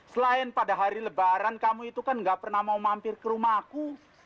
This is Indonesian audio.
selain pada hari lebaran kamu itu kan gak pernah mau mampir ke rumahku